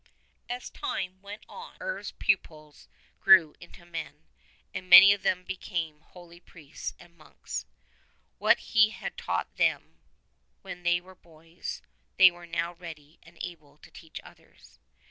As time went on Herve's pupils grew into men, and many of them became holy priests and monks. What he had taught them when they were boys they were now ready and able to teach others.